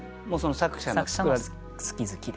作者の好き好きで。